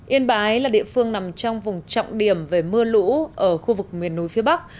yên bái là địa phương nằm trong vùng trọng điểm về mưa lũ ở khu vực miền núi phía bắc